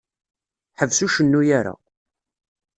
Ḥbes ur cennu ara.